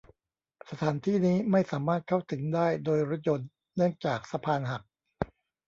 สถานที่นี้ไม่สามารถเข้าถึงได้โดยรถยนต์เนื่องจากสะพานหัก